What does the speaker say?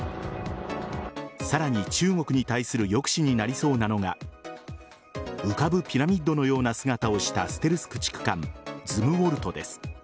さらに、中国に対する抑止になりそうなのが浮かぶピラミッドのような姿をした、ステルス駆逐艦ズムウォルトです。